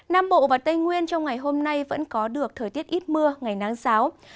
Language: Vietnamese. nam bộ và tây nguyên trong ngày hôm nay vẫn có được thời tiết ít mưa ngày nắng sáo